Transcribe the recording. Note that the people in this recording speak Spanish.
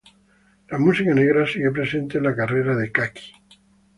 La música negra sigue presente en la carrera de Kaki.